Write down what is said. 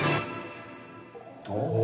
お。